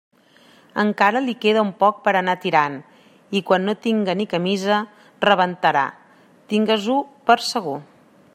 Encara li queda un poc per a anar tirant; i quan no tinga ni camisa, rebentarà, tingues-ho per segur.